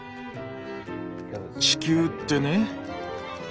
地球ってね